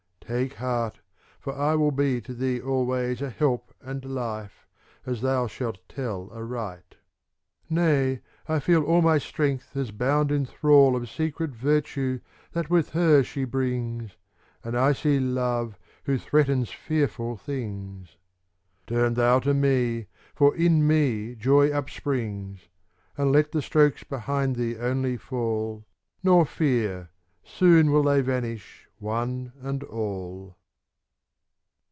" Take heart, for I will be to thee always A help and life, as thou shalt tell aright." " Nay, I feel all my strength as bound in thrall Of secret virtue that with her she brings, ^^ And I see Love who threatens fearful things." "Turn thee to me, for in me joy upsprings; And let the strokes behind thee only fall; Nor fear; soon will they vanish, one and all."